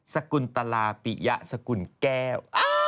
สกุลตลาปิยะสกุลแก้ว